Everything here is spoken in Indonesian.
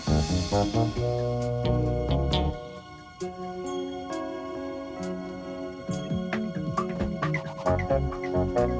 oh ini dia